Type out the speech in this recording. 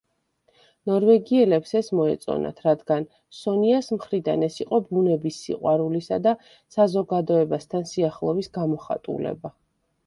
ნორვეგიელებს ეს მოეწონათ, რადგან სონიას მხრიდან ეს იყო ბუნების სიყვარულისა და საზოგადოებასთან სიახლოვის გამოხატულება.